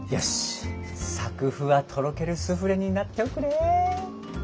さくふわとろけるスフレになっておくれ。